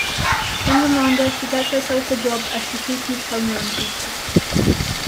In the manga she gets herself a job as Tasuke's homeroom teacher.